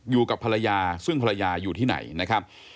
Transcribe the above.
อยู่กับภรรยาซึ่งภรรยาอยู่ที่ไหนนะครับ